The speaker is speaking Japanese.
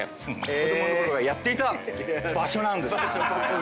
子供のころやっていた場所なんです。